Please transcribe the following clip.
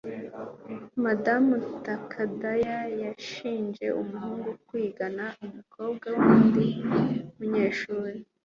madamu takada yashinje umuhungu kwigana umukoro w'undi munyeshuri